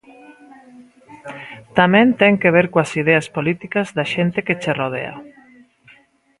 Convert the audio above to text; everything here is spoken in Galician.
Tamén ten que ver coas ideas políticas da xente que che rodea.